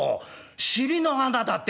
尻の穴だって」。